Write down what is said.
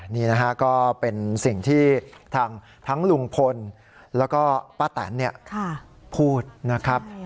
นี่นะฮะก็เป็นสิ่งที่ทั้งลุงพลแล้วก็ป้าแตนพูดนะครับ